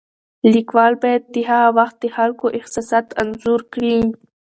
لیکوال باید د هغه وخت د خلکو احساسات انځور کړي.